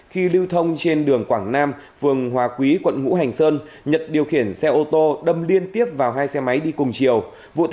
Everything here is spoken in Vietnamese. khi lưu thông trên đường quảng nam phường hòa quý quận ngũ hành sơn nhật điều khiển xe ô tô đâm liên tiếp vào hai xe máy đi cùng chiều